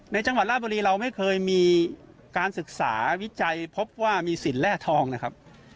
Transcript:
จังหวัดราชบุรีเราไม่เคยมีการศึกษาวิจัยพบว่ามีสินแร่ทองนะครับ